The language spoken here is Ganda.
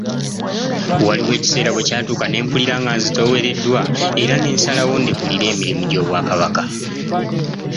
Waliwo ekiseera bwe kyatuuka ne mpulira nga nzitoowereddwa era ne nsalawo ndekulire emirimo gy’Obwakabaka.